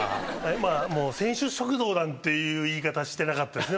選手食堂なんていう言い方してなかったですね